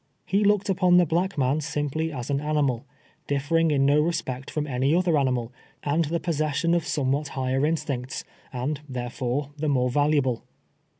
He looked upon the black man Bimply as an animal, diflering in no respect from any other animal, save in the gift of speech and the pos session of somewhat higher instincts, and, therefore, the more valuable.